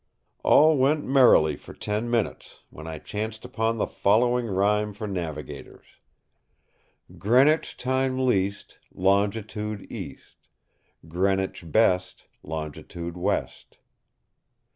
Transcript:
All went merrily for ten minutes, when I chanced upon the following rhyme for navigators: "Greenwich time least Longitude east; Greenwich best, Longitude west."